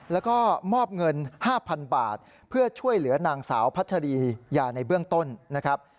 แล้วก็มอบเงิน๕๐๐๐บาทเพื่อช่วยเหลือนางสาวพัชรียาในเบื้องต้นนะครับ